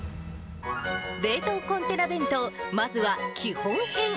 冷凍コンテナ弁当、まずは基本編。